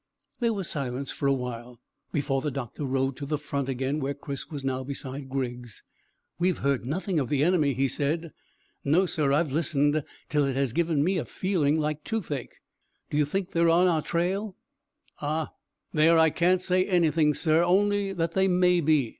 There was silence for awhile, before the doctor rode to the front again to where Chris was now beside Griggs. "We have heard nothing of the enemy," he said. "No, sir. I've listened till it has given me a feeling like toothache." "Do you think they are on our trail?" "Ah, there I can't say anything, sir, only that they may be.